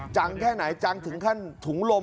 แค่ไหนจังถึงขั้นถุงลม